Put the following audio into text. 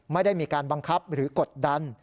ไม่ได้มีการบังคับหรือกดดัน